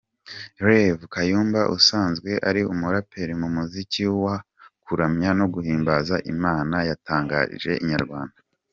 Rev Kayumba usanzwe ari umuraperi mu muziki w kuramya no guhimbaza Imana, yatangarije Inyarwanda.